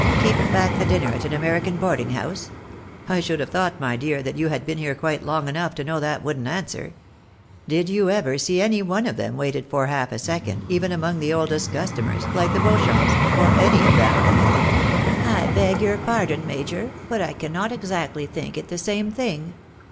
Keep back the dinner at an American boarding house ! I should have thought, my dear, that you had been here THE MAJOR TESTIFIES ADMIRATION OF HIS LADY. 149 quite long enough to know that wouldn't answer. Did you ever see any one of them waited for half a second, even among the oldest customers, like the Beauchamps, or any of them ?"" I bog your pardon, mijor, but I cannot exactly think it the same thing.